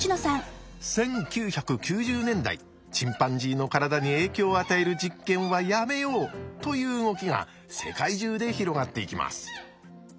１９９０年代チンパンジーの体に影響を与える実験はやめようという動きが世界中で広がっていきます。